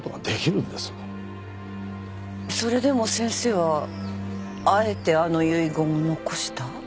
それでも先生はあえてあの遺言を残した？